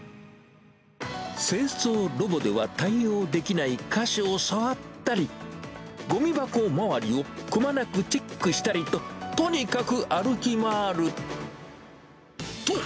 清掃ロボでは対応できない箇所を触ったり、ごみ箱周りをくまなくチェックしたりと、とにかく歩き回る。